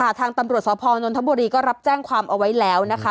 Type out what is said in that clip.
ทางตำรวจสพนนทบุรีก็รับแจ้งความเอาไว้แล้วนะคะ